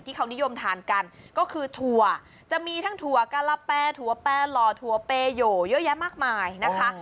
เขานิยมทานกันก็คือถั่วจะมีทั้งถั่วกะละแปถั่วแปรหล่อถั่วเปโหอยู่เยอะแยะมากมายนะคะ